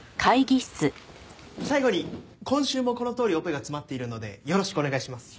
最後に今週もこのとおりオペが詰まっているのでよろしくお願いします。